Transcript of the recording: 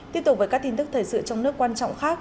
tiếp tục với các tin tức thời sự trong nước quan trọng khác